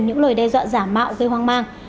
những lời đe dọa giả mạo gây hoang mang